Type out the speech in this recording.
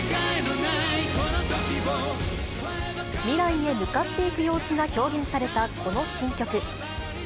未来へ向かっていく様子が表現されたこの新曲。